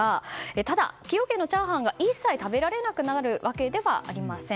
ただ、崎陽軒のチャーハンが一切食べられなくなるわけではありません。